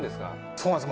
そうなんです